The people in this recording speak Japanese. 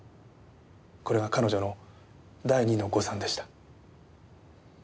これは彼女の第二の誤算でした。